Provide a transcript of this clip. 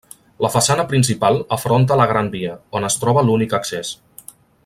La façana principal afronta a la Gran Via, on es troba l'únic accés.